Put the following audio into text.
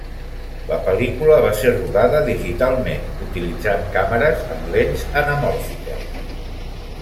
La pel·lícula va ser rodada digitalment utilitzant càmeres amb lents anamòrfiques.